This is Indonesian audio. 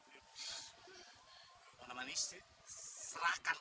ini semua bunda yang melakukannya